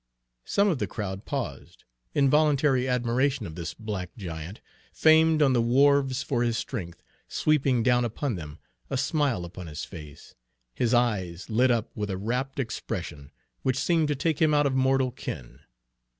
Some of the crowd paused in involuntary admiration of this black giant, famed on the wharves for his strength, sweeping down upon them, a smile upon his face, his eyes lit up with a rapt expression which seemed to take him out of mortal ken.